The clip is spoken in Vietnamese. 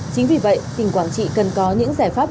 chính vì vậy tỉnh quảng trị cần có những giải pháp